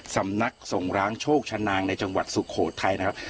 สำนักส่งร้างโชคชะนางในจังหวัดสุโขทัยนะครับ